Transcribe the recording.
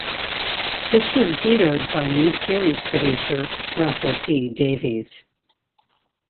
This was vetoed by new series producer Russell T Davies.